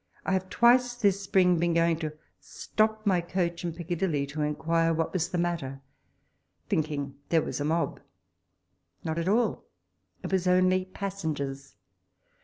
I have twice this spring been going to stop my coach in Piccadilly, to inquire what was the matter, thinking there was a mob— not at all ; it was only passengers.